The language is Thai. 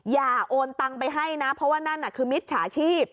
อย่าโอนตังไปให้นะเพราะว่านั่นน่ะคือมิจฉาชีพ